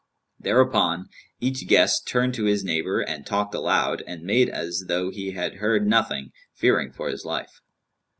Thereupon each guest turned to his neighbour and talked aloud and made as though he had heard nothing, fearing for his life.